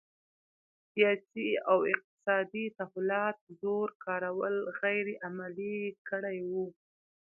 سیاسي او اقتصادي تحولات زور کارول غیر عملي کړي وو.